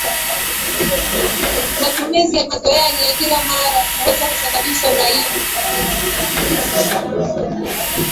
Matumizi ya kimazoea na ya kila mara huweza kusababisha uraibu